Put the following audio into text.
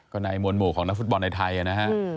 ก็ในมวลหมู่ของนักฟุตบอลในไทยนะฮะ